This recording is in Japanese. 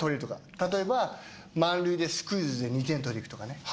例えば、満塁でスクイズで２点を取りにいくとかね。